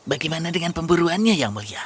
bagaimana dengan pemburuannya yang mulia